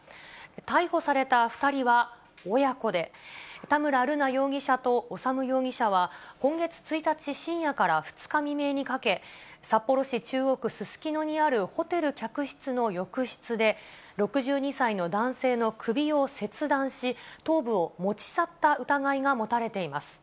逮捕された２人は親子で、田村瑠奈容疑者と修容疑者は、今月１日深夜から２日未明にかけ、札幌市中央区すすきのにあるホテル客室の浴室で、６２歳の男性の首を切断し、頭部を持ち去った疑いが持たれています。